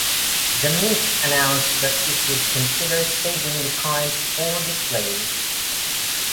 The Mint announced that it would consider saving the coins for display.